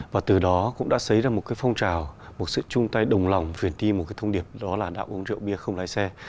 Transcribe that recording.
và từ đó cũng đã xấy ra một cái phong trào một sự chung tay đồng lòng truyền đi một cái thông điệp đó là đã uống rượu bia không lái xe